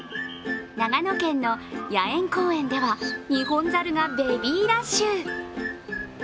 長野県の野猿公苑ではニホンザルがベビーラッシュ。